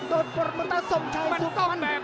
ติดตามยังน้อยกว่า